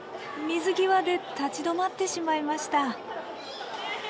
水際で立ち止まってしまいました。